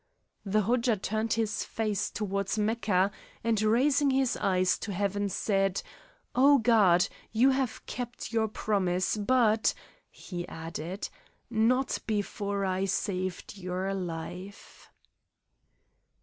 The Hodja turned his face toward Mecca and raising his eyes to heaven said, "Oh God, you have kept your promise, but," he added, "not before I saved your life."